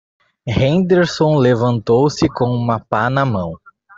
Henderson levantou-se com uma pá na mão.